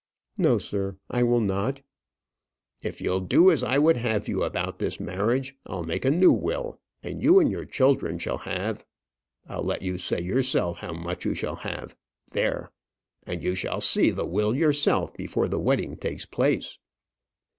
"No, sir; I will not." "If you'll do as I would have you about this marriage, I'll make a new will, and you and your children shall have I'll let you say yourself how much you shall have; there and you shall see the will yourself before the wedding takes place."